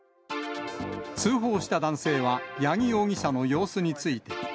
通報した男性は八木容疑者の様子